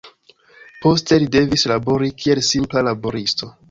Poste li devis labori kiel simpla laboristo.